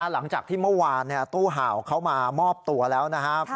หลังจากที่เมื่อวานตู้ห่าวเขามามอบตัวแล้วนะครับ